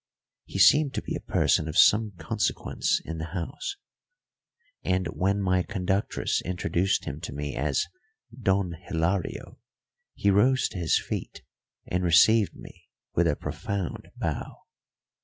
He seemed to be a person of some consequence in the house, and when my conductress introduced him to me as "Don Hilario," he rose to his feet and received me with a profound bow.